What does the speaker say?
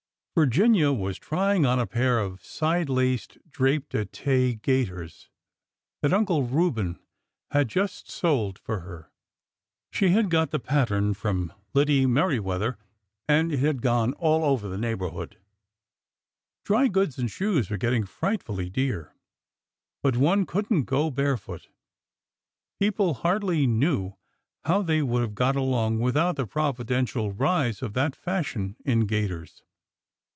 Virginia was trying on a pair of side laced drap d'ete gaiters that Uncle Reuben had just soled for her. She had got the pattern from Lide Merri weather, and it had gone all over the neighborhood. Dry goods and shoes BORDER WARFARE BEGINS 205 were getting frightfully dear, but one could n't go bare foot. People hardly knew how they would have got along without the providential rise of that fashion in gaiters.